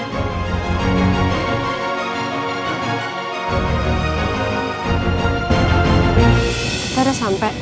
kita udah sampe